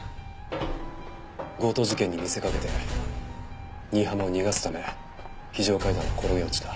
強盗事件に見せかけて新浜を逃がすため非常階段を転げ落ちた。